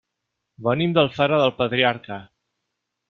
Venim d'Alfara del Patriarca.